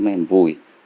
mấy em vui mấy em vui